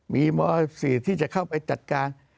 มีม๔ที่จะเข้าไปจัดการ